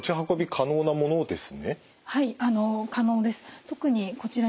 可能です。